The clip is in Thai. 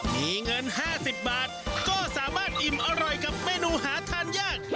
มีเงิน๕๐บาทก็สามารถอิ่มอร่อยกับเมนูหาทานยาก